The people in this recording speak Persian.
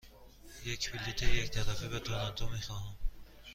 یک بلیط یک طرفه به تورنتو می خواهم.